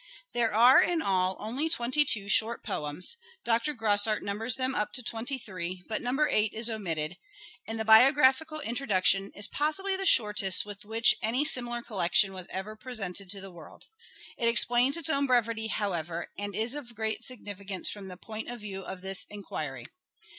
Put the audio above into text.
There are, in all, only twenty two short poems (Dr. Grosart numbers them up to twenty three, but number eight is omitted) and the biographical intro duction is possibly the shortest with which any similar collection was ever presented to the world. It explains its own brevity however, and is of great significance from the point of view of this enquiry.